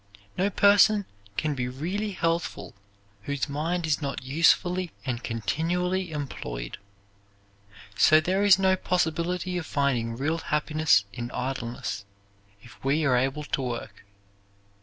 No person can be really healthful whose mind is not usefully and continually employed. So there is no possibility of finding real happiness in idleness if we are able to work.